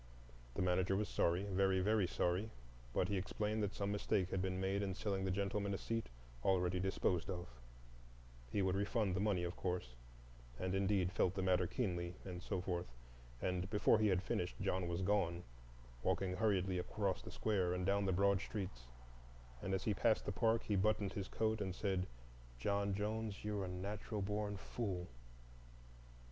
The manager was sorry, very, very sorry,—but he explained that some mistake had been made in selling the gentleman a seat already disposed of; he would refund the money, of course,—and indeed felt the matter keenly, and so forth, and—before he had finished John was gone, walking hurriedly across the square and down the broad streets, and as he passed the park he buttoned his coat and said, "John Jones, you're a natural born fool."